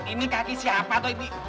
ini kaki siapa tuh ini